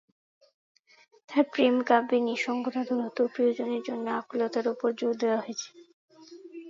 তাঁর প্রেমকাব্যে নিঃসঙ্গতা, দূরত্ব এবং প্রিয়জনের জন্য আকুলতার ওপর জোর দেওয়া হয়েছে।